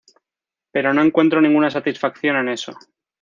Pero no encuentro ninguna satisfacción en eso.